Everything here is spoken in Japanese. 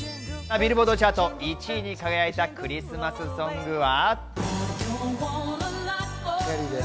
ビルボード・チャート、１位に輝いたクリスマスソングは。